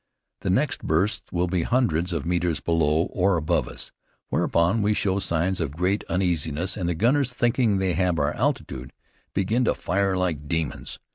The next bursts will be hundreds of metres below or above us, whereupon we show signs of great uneasiness, and the gunners, thinking they have our altitude, begin to fire like demons.